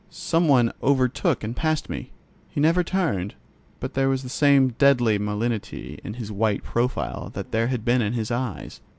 Some one overtook and passed me. He never turned, but there was the same deadly malignity in his white profile that there had been in his eyes.